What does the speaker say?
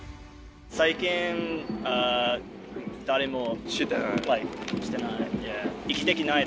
最近、誰もしていない。